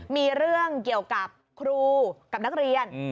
มีเรื่องเกี่ยวกับครูกับนักเรียน